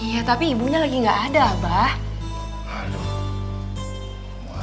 iya tapi ibunya lagi gak ada abah